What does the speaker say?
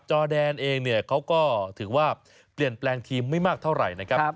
จอแดนเองเนี่ยเขาก็ถือว่าเปลี่ยนแปลงทีมไม่มากเท่าไหร่นะครับ